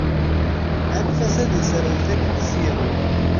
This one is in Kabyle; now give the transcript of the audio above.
Anef-as ad iserwet akken i s-yehwa.